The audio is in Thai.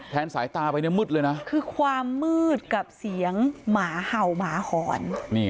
สายตาไปเนี่ยมืดเลยนะคือความมืดกับเสียงหมาเห่าหมาหอน